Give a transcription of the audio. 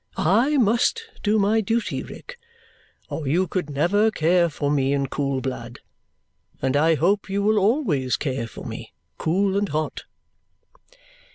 I must do my duty, Rick, or you could never care for me in cool blood; and I hope you will always care for me, cool and hot."